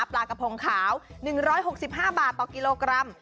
ปลากระพงขาว๑๖๕บาทต่อกิโลกรัม